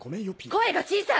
声が小さい。